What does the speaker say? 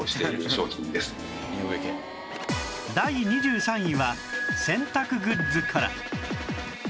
第２３位は洗濯グッズから